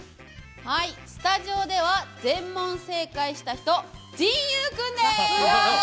スタジオでは全問正解した人、じんゆう君です。